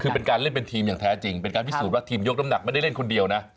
คือเป็นการเล่นเป็นทีมอย่างแท้จริงเป็นการพิสูจน์ว่าทีมยกน้ำหนักไม่ได้เล่นคนเดียวนะ